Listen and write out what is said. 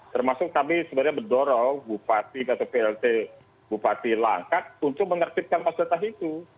termasuk kami sebenarnya mendorong bupati atau plt bupati langkat untuk menertibkan fasilitas itu